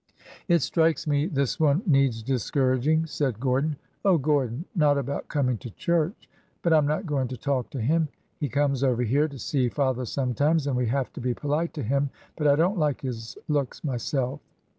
'' It strikes me this one needs discouraging," said Gordon. " Oh, Gordon ! not about coming to church ! But I 'm not going to talk to him. He comes over here to see father sometimes, and we have to be polite to him. But I don't like his looks myself."